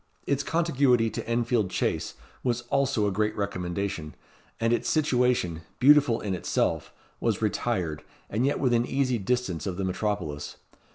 Its contiguity to Enfield Chase was also a great recommendation; and its situation, beautiful in itself, was retired, and yet within easy distance of the metropolis.